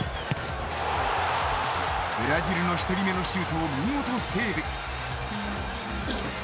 ブラジルの１人目のシュートを見事セーブ。